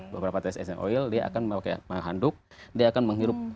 beberapa test oil dia akan menganduk dia akan menghirup